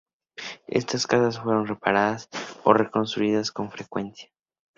Estas casas fueron reparadas o reconstruidas con frecuencia.